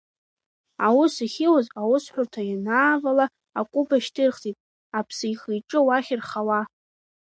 Аус ахьиуаз аусҳәарҭа ианаавала акәыба шьҭырхӡеит, аԥсы ихы-иҿы уахь ирхауа.